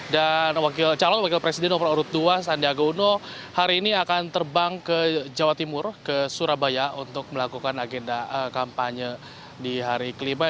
dan calon wakil presiden nomor urut dua sandiaga uno hari ini akan terbang ke jawa timur ke surabaya untuk melakukan agenda kampanye di hari kelima